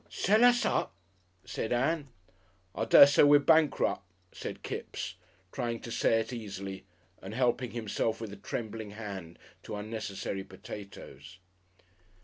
"Sell us up!" said Ann. "I dessey we're bankrup'," said Kipps, trying to say it easily and helping himself with a trembling hand to unnecessary potatoes.